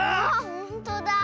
ほんとだ。